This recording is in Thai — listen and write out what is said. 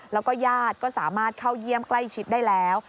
แล้วก็ญาติก็สามารถเข้าเยี่ยมใกล้ชิดได้แล้ว